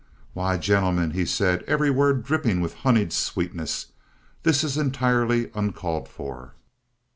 "Why, gentlemen," said he, every word dripping with honeyed sweetness, "this is entirely uncalled for.